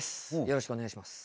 よろしくお願いします。